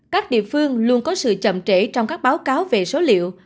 các địa phương luôn có sự chậm trễ trong các báo cáo về số liệu